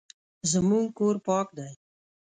زموږ کور پاک دی